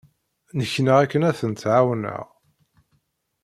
Nneknaɣ akken ad tent-ɛawneɣ.